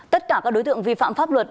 tất cả các đối tượng vi phạm pháp luật